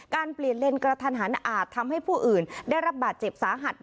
เปลี่ยนเลนกระทันหันอาจทำให้ผู้อื่นได้รับบาดเจ็บสาหัส